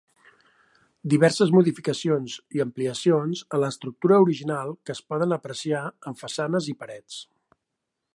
Diverses modificacions i ampliacions a l'estructura original que es poden apreciar en façanes i parets.